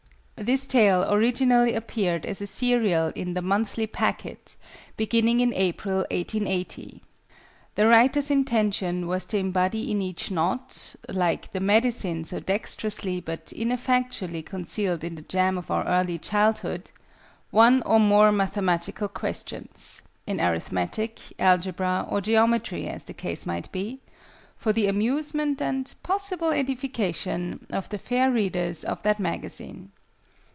This Tale originally appeared as a serial in The Monthly Packet, beginning in April, 1880. The writer's intention was to embody in each Knot (like the medicine so dexterously, but ineffectually, concealed in the jam of our early childhood) one or more mathematical questions in Arithmetic, Algebra, or Geometry, as the case might be for the amusement, and possible edification, of the fair readers of that Magazine.